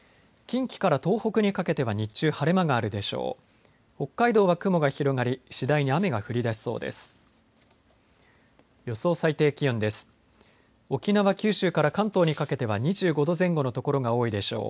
近畿から東北にかけては日中、晴れ間があるでしょう。